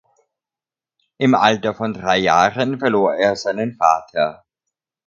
Im Alter von drei Jahren verlor er seinen Vater.